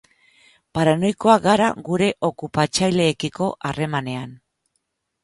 Paranoikoak gara gure okupatzaileekiko harremanean.